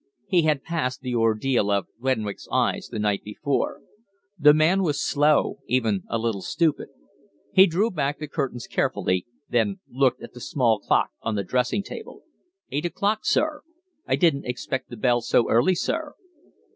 He had passed the ordeal of Renwick's eyes the night before. The man was slow, even a little stupid. He drew back the curtains carefully, then looked at the small clock on the dressing table. "Eight o'clock, sir. I didn't expect the bell so early, sir."